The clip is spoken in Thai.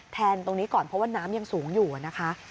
ตรงนี้ก่อนเพราะว่าน้ำยังสูงอยู่นะคะ